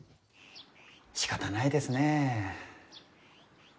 しかたないですねえ。